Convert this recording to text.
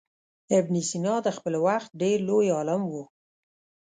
ابن سینا د خپل وخت ډېر لوی عالم و.